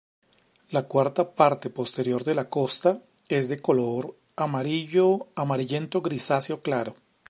La cuarta parte posterior de la costa es de color amarillo-amarillento-grisáceo claro.